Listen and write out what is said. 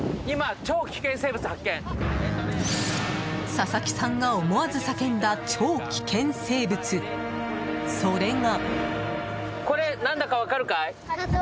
佐々木さんが思わず叫んだ超危険生物、それが。